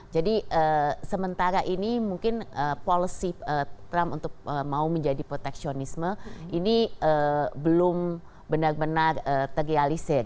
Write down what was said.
jadi sementara ini mungkin policy trump untuk mau menjadi proteksionisme ini belum benar benar terrealisir